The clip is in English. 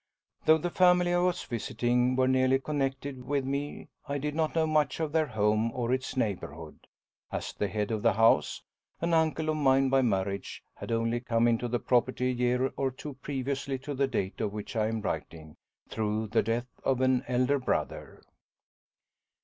Though the family I was visiting were nearly connected with me I did not know much of their home or its neighbourhood, as the head of the house, an uncle of mine by marriage, had only come into the property a year or two previously to the date of which I am writing, through the death of an elder brother.